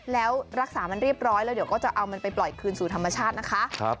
แล้วรักษามันเรียบร้อยแล้วเดี๋ยวก็จะเอามันไปปล่อยคืนสู่ธรรมชาตินะคะ